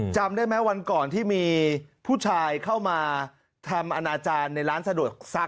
จำได้ไหมวันก่อนที่มีผู้ชายเข้ามาทำอนาจารย์ในร้านสะดวกซัก